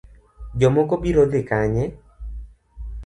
Jomoko biro dhi kanye?